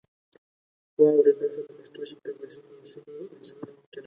واورئ برخه د پښتو ژبې د غږونو د اصولو ارزونه ممکنوي.